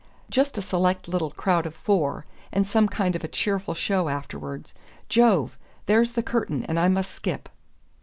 Just a select little crowd of four and some kind of a cheerful show afterward... Jove! There's the curtain, and I must skip."